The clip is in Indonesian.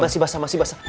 masih basah masih basah